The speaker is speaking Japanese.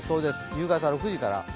夕方６時から。